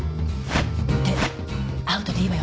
でアウトでいいわよね？